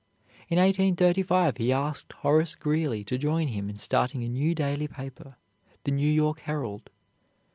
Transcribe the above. In 1835 he asked Horace Greeley to join him in starting a new daily paper, the "New York Herald."